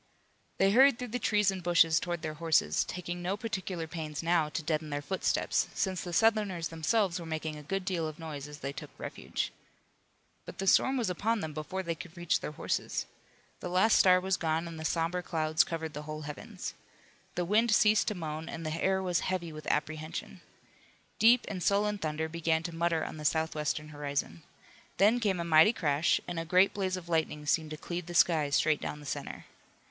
They hurried through the trees and bushes toward their horses, taking no particular pains now to deaden their footsteps, since the Southerners themselves were making a good deal of noise as they took refuge. But the storm was upon them before they could reach their horses. The last star was gone and the somber clouds covered the whole heavens. The wind ceased to moan and the air was heavy with apprehension. Deep and sullen thunder began to mutter on the southwestern horizon. Then came a mighty crash and a great blaze of lightning seemed to cleave the sky straight down the center.